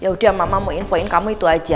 ya udah mama mau infoin kamu itu aja